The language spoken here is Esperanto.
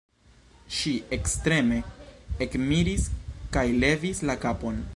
Ŝi ekstreme ekmiris kaj levis la kapon: